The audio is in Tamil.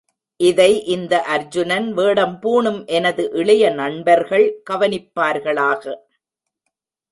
இதை இந்த அர்ஜுனன் வேடம் பூணும் எனது இளைய நண்பர்கள் கவனிப்பார்களாக.